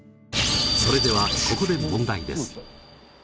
それではここで問題です。